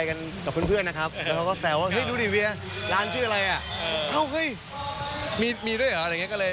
เขาไม่เขินแต่ว่าสักเหงื่อยใหญ่เลย